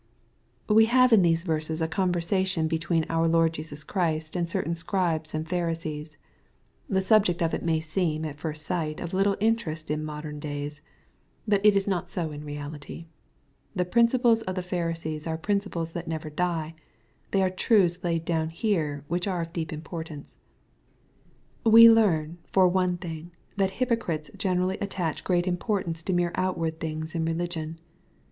We have in these verses a conversation between out Lord Jesus Christy and certain Scribes and Pharisees. The subject of it may seem^ at first sight^ of little inter est in modem days. Bnt it is not so in reality. The principles of the Pharisees are principles that never die. There are truths laid down here^ which are of deep importance. We learn, for one thing, that hypocrites generally at^ tach great importance to mere outward things in religion.